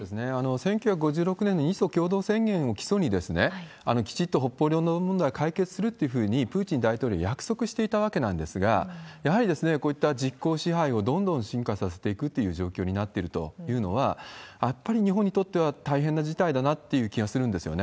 １９５６年の日ソ共同宣言を基礎に、きちっと北方領土問題解決するというふうにプーチン大統領約束していたわけなんですが、やはりこういった実効支配をどんどん深化させていくという状況になっているというのは、やっぱり日本にとっては、大変な事態だなっていう気はするんですよね。